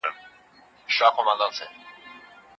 هغه وویل چې عصري سپک خواړه د لوی بازار برخه ده.